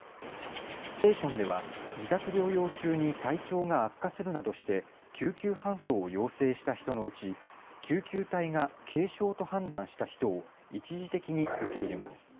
ステーションでは自宅療養中に体調が悪化するなどして救急搬送を要請した人のうち救急隊が軽症と判断した人を、一時的に受け入れます。